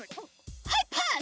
はいパス！